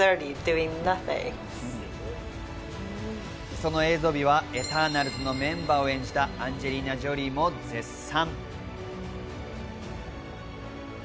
その映像美はエターナルズのメンバーを演じたアンジェリーナ・ジョリーも絶賛。